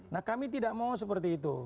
nah kami tidak mau seperti itu